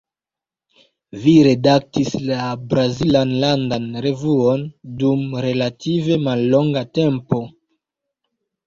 Vi redaktis la brazilan landan revuon dum relative mallonga tempo.